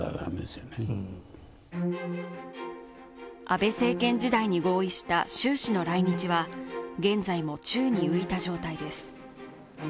安倍政権時代に合意した習氏の来日は現在も宙に浮いた状態です